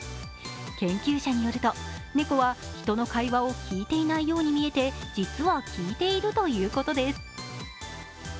研究者によると、猫は人の会話を聞いていないようにみえて実は聞いているということです。